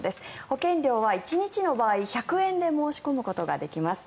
保険料は１日の場合１００円で申し込むことができます。